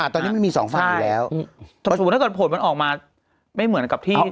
ตอนนี้มันมีสองฝั่งอยู่แล้วสมมุติถ้าเกิดผลมันออกมาไม่เหมือนกับที่